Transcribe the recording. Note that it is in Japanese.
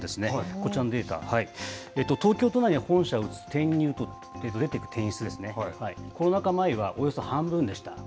こちらのデータ、東京都内に移す転入と、出ていく転出ですね、コロナ禍前はおよそ半分でした。